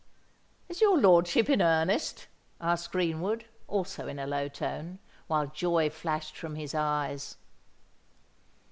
"Is your lordship in earnest?" asked Greenwood, also in a low tone, while joy flashed from his eyes.